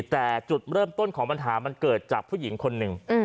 แต่จุดเริ่มต้นของปัญหามันเกิดจากผู้หญิงคนหนึ่ง